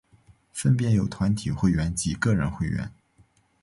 分别有团体会员及个人会员。